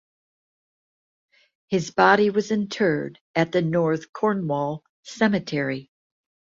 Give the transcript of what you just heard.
His body was interred at the North Cornwall Cemetery.